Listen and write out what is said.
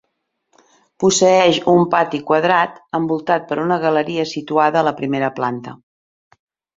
Posseeix un pati quadrat envoltat per una galeria situada a la primera planta.